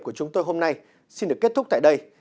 của chúng tôi hôm nay xin được kết thúc tại đây